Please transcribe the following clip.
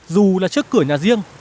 dù là trước cửa nhà riêng